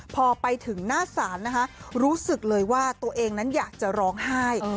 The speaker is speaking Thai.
พอไปถึงหน้าศาลนะคะรู้สึกเลยว่าตัวเองนั้นอยากจะร้องไห้